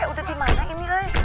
udah di mana ini lai